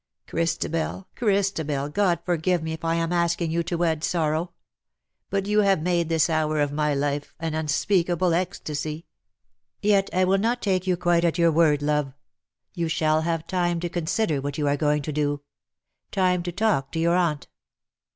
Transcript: Christabel, Christabel, God forgive me if I am asking you to wed sorrow; but you have made this hour of my life an unspeakable ecstasy. Yet I will not take you quite at your word, love. You FROM WINTRY COLD." ['27 shall have time to consider what you are going to do — time to talk to your aunt."